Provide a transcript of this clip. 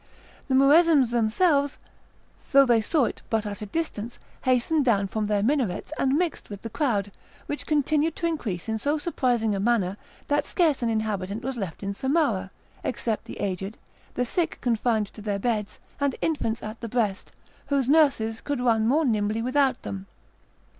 The Muezzins themselves, though they saw it but at a distance, hastened down from their minarets and mixed with the crowd, which continued to increase in so surprising a manner, that scarce an inhabitant was left in Samarah, except the aged, the sick confined to their beds, and infants at the breast, whose nurses could run more nimbly without them.